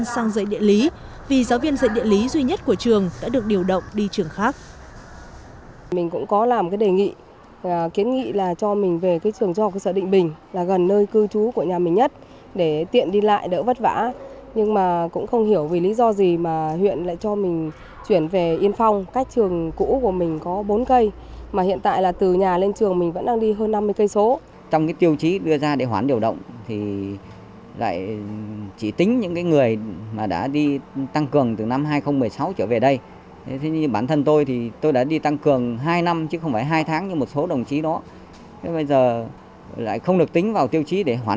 sang dạy địa lý vì giáo viên dạy địa lý duy nhất của trường đã được điều động đi trường khác